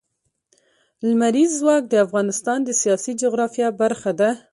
لمریز ځواک د افغانستان د سیاسي جغرافیه برخه ده.